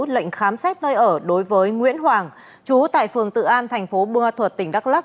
lệnh khám xét nơi ở đối với nguyễn hoàng trú tại phường tự an thành phố bùa thuật tỉnh đắk lắc